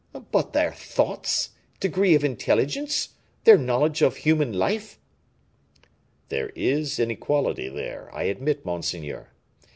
"But their thoughts? degree of intelligence? their knowledge of human life?" "There is inequality there, I admit, monseigneur.